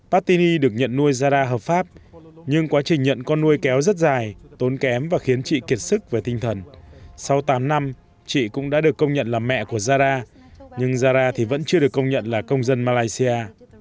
patti được nhận nuôi zara hợp pháp nhưng quá trình nhận con nuôi kéo rất dài tốn kém và khiến chị kiệt sức về tinh thần sau tám năm chị cũng đã được công nhận là mẹ của zara nhưng zara thì vẫn chưa được công nhận là công dân malaysia